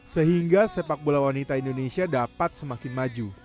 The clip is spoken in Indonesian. sehingga sepak bola wanita indonesia dapat semakin maju